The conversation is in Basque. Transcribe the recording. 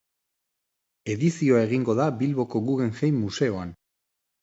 Edizioa egingo da Bilboko Guggenheim museoan.